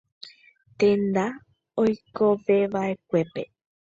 Tenda oikoveva'ekuépe.